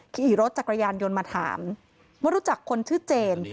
ขี่รถจักรยานยนต์มาถามว่ารู้จักคนชื่อเจน